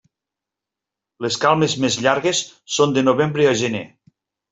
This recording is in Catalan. Les calmes més llargues són de novembre a gener.